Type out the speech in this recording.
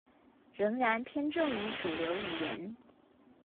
仍然偏重於主流語言